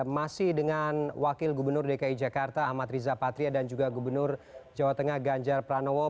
masih dengan wakil gubernur dki jakarta ahmad riza patria dan juga gubernur jawa tengah ganjar pranowo